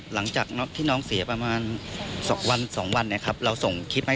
หลังจากที่น้องเสียประมาณ๒วัน๒วันนะครับเราส่งคลิปมาให้